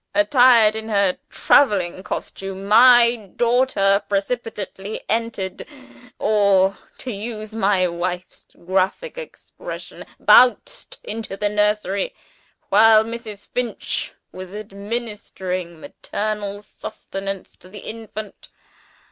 Attired in her traveling costume, my daughter precipitately entered (or to use my wife's graphic expression 'bounced into') the nursery, while Mrs. Finch was administering maternal sustenance to the infant.